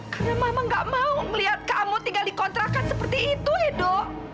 karena mama gak mau melihat kamu tinggal di kontrakan seperti itu edo